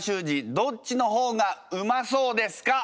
どっちの方がうまそうですか？